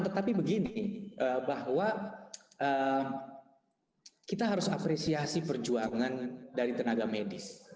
tetapi begini bahwa kita harus apresiasi perjuangan dari tenaga medis